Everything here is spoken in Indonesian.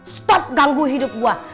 stop ganggu hidup gue